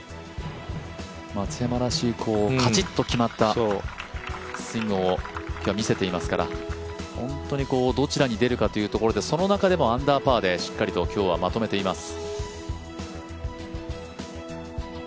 松山らしいカチッと決まったスイングを今日は見せていますから本当にどちらに出るかというところで、その中でもアンダーパーでしっかりと今日はまとめています。